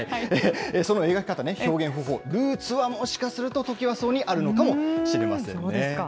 その描き方、表現方法、ルーツはもしかするとトキワ荘にあるのかもしれませんね。